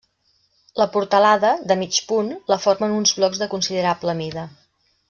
La portalada, de mig punt, la formen uns blocs de considerable mida.